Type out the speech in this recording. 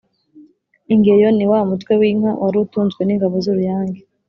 Ingeyo ni wa Mutwe w'Inka wari utunzwe n'Ingabo z'Uruyange.